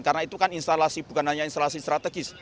karena itu bukan hanya instalasi strategis